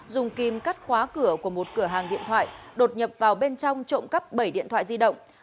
dùng kim cắt khóa cửa của một cửa hàng điện thoại đột nhập vào bên trong trộm cắp bảy điện thoại di động